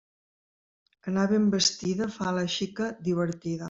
Anar ben vestida fa a la xica divertida.